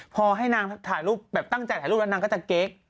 พอตั้งใจถ่ายรูปดังนั้นเขาก็จะเก๊อต